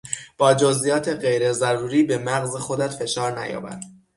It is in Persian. با جزئیات غیر ضروری به مغز خودت فشار نیاور.